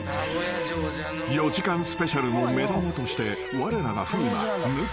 ［４時間スペシャルの目玉としてわれらが風磨向井